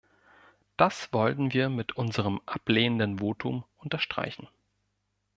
Das wollten wir mit unserem ablehnenden Votum unterstreichen.